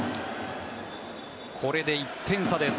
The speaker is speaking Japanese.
これで１点差です。